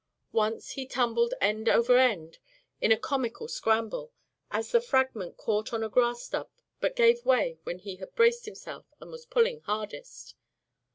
Once he tumbled end over end in a comical scramble, as the fragment caught on a grass stub but gave way when he had braced himself and was pulling hardest.